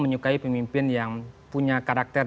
menyukai pemimpin yang punya karakter